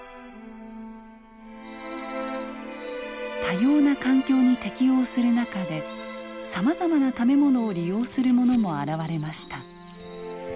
多様な環境に適応する中でさまざまな食べ物を利用するものも現れました。